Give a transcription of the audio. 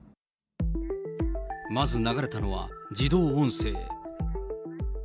まず流れたのは、自動音声。